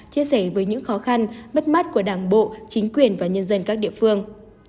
chia sẻ với những khó khăn mất mát của đảng bộ chính quyền và nhân dân các địa phương